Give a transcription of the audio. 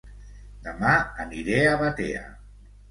Dema aniré a Batea